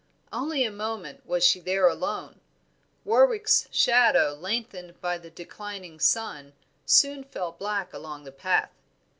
Only a moment was she there alone; Warwick's shadow, lengthened by the declining sun, soon fell black along the path.